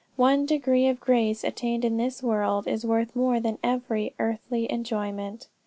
One degree of grace attained in this world, is worth more than every earthly enjoyment."